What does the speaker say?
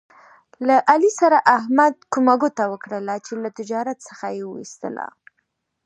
له علي سره احمد کومه ګوته وکړله، چې له تجارت څخه یې و ایستلا.